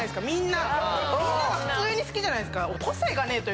「みんなが普通に好きじゃないですか」